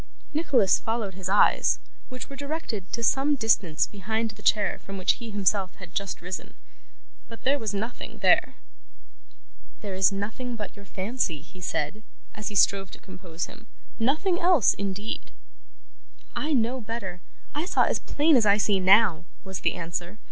Nicholas followed his eyes, which were directed to some distance behind the chair from which he himself had just risen. But, there was nothing there. 'This is nothing but your fancy,' he said, as he strove to compose him; 'nothing else, indeed.' 'I know better. I saw as plain as I see now,' was the answer.